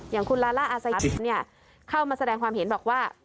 อย่างคุณลาล่าอาสยามเนี่ยเข้ามาแสดงความเห็นบอกว่า